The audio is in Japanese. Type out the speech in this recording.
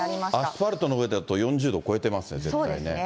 アスファルトの上だと４０度を超えてますね、絶対にね。